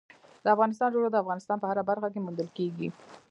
د افغانستان جلکو د افغانستان په هره برخه کې موندل کېږي.